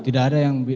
tidak ada yang